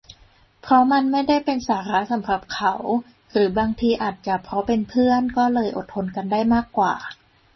เพราะมันไม่ได้เป็นสาระสำหรับเขา หรือ บางที อาจจะเพราะเป็นเพื่อน ก็เลยอดทนกันได้มากกว่า